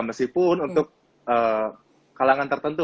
meskipun untuk kalangan tertentu